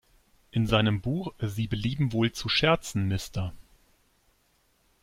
In seinem Buch "Sie belieben wohl zu scherzen, Mr.